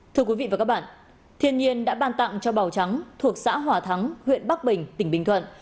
thưa quý vị và các bạn thiên nhiên đã ban tặng cho bào trắng thuộc xã hòa thắng huyện bắc bình tỉnh bình thuận